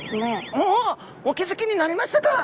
あっお気付きになりましたか！